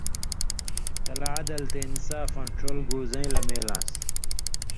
تَلہ عدل تے انصافاں ڇَول گوزَئیں لمَیل آنٚس